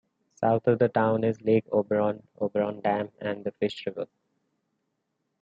South of the town is Lake Oberon, Oberon Dam and the Fish River.